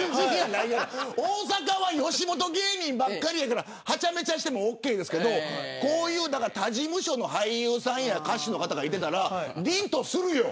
大阪は吉本芸人ばっかりだからはちゃめちゃしてもオーケーだけど他事務所の俳優さんや歌手の方がいてたらりんとするよ。